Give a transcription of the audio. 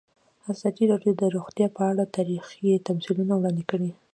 ازادي راډیو د روغتیا په اړه تاریخي تمثیلونه وړاندې کړي.